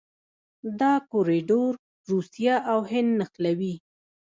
دا کوریډور روسیه او هند نښلوي.